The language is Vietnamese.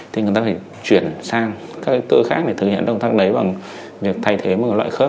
thì người ta phải chuyển sang các cơ khác để thực hiện động tác đấy bằng việc thay thế một loại khác